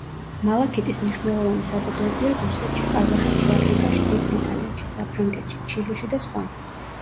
მალაქიტის მნიშვნელოვანი საბადოებია რუსეთში, ყაზახეთში, აფრიკაში, დიდ ბრიტანეთში, საფრანგეთში, ჩილეში და სხვა.